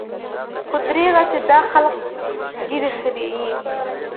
خو درېغه چې دا خلق ږيرې خريي.